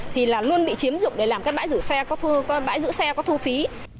thì là luôn bị chiếm dụng để làm các bãi giữ xe có thu phí